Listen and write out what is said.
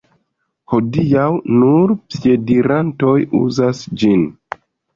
Hodiaŭ nur piedirantoj uzas ĝin.